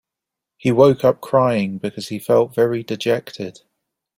He woke up crying because he felt very dejected.